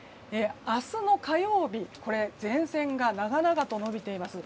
明日の火曜日前線が長々と延びています。